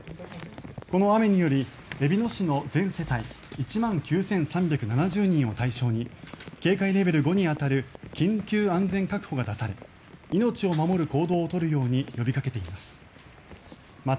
この雨により、えびの市の全世帯１万９３７０人を対象に警戒レベル５に当たる緊急安全確保が出され命を守る行動を取るように呼びかけています。